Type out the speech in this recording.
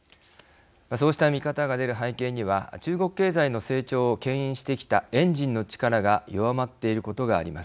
そうした見方が出る背景には中国経済の成長をけん引してきたエンジンの力が弱まっていることがあります。